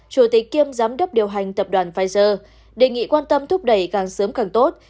chủ tịch kiêm giám đốc điều hành tập đoàn pfizer đề nghị quan tâm thúc đẩy càng sớm càng tốt